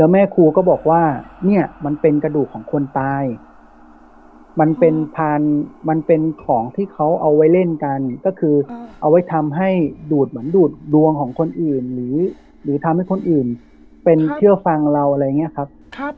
แม่ครูก็บอกว่าเนี่ยมันเป็นกระดูกของคนตายมันเป็นพันธุ์มันเป็นของที่เขาเอาไว้เล่นกันก็คือเอาไว้ทำให้ดูดเหมือนดูดดวงของคนอื่นหรือทำให้คนอื่นเป็นเชื่อฟังเราอะไรอย่างนี้ครับ